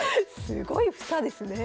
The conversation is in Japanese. すごい房ですね。